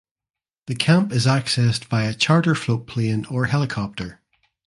The camp is accessed via charter float plane or helicopter.